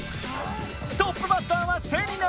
トップバッターはセリナ！